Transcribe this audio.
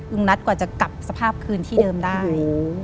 นัทกว่าจะกลับสภาพคืนที่เดิมได้